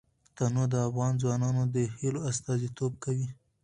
تنوع د افغان ځوانانو د هیلو استازیتوب کوي.